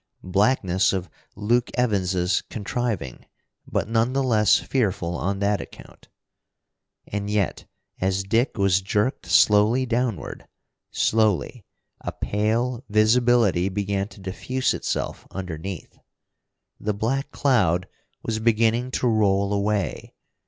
Blackness of Luke Evans's contriving, but none the less fearful on that account! And yet, as Dick was jerked slowly downward, slowly a pale visibility began to diffuse itself underneath. The black cloud was beginning to roll away.